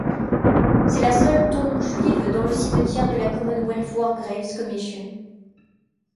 C'est la seule tombe juive dans le cimetière de la Commonwealth War Graves Commission.